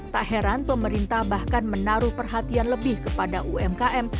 tak heran pemerintah bahkan menaruh perhatian lebih kepada umkm